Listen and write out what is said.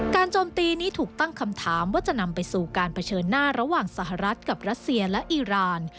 โจมตีนี้ถูกตั้งคำถามว่าจะนำไปสู่การเผชิญหน้าระหว่างสหรัฐกับรัสเซียและอีราน